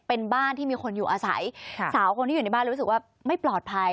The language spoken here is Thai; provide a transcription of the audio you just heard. เป็นบ้านที่มีคนอยู่อาศัยสาวคนที่อยู่ในบ้านรู้สึกว่าไม่ปลอดภัย